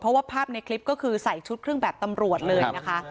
เพราะว่าภาพในคลิปก็คือใส่ชุดเครื่องแบบตำรวจเลยนะคะ